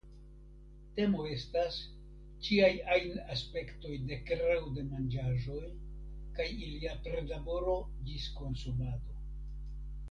Temo estas ĉiaj ajn aspektoj de kreo de manĝaĵoj kaj ilia prilaboro ĝis konsumado.